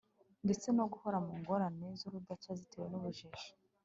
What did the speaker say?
ndetse no guhora mu ngorane z'urudaca zitewe n'ubujiji